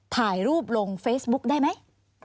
ถ่ายรูปลงเฟซบุ๊กได้ไหม